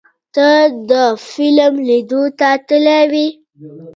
ته د فلم لیدو ته تللی وې؟